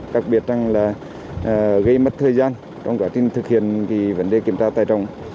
đặc biệt là gây mất thời gian trong quả tin thực hiện vấn đề kiểm tra tải trọng